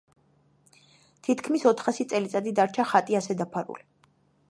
თითქმის ოთხასი წელიწადი დარჩა ხატი ასე დაფარული.